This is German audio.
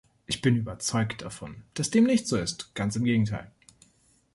Ich bin überzeugt davon, dass dem nicht so ist, ganz im Gegenteil.